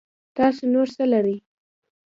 تاسو نور څه لرئ